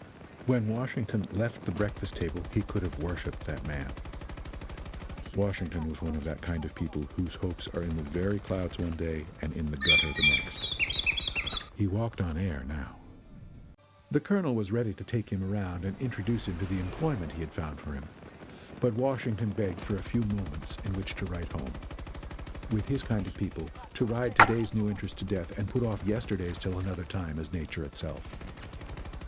When Washington left the breakfast table he could have worshiped that man. Washington was one of that kind of people whose hopes are in the very clouds one day and in the gutter the next. He walked on air now. The Colonel was ready to take him around and introduce him to the employment he had found for him, but Washington begged for a few moments in which to write home; with his kind of people, to ride to day's new interest to death and put off yesterday's till another time, is nature itself.